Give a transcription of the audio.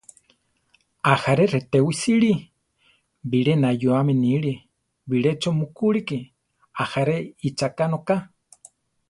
Ajaré retewi sire; biré nayúame níre, birecho mukúreke, ajáre icháka nóka.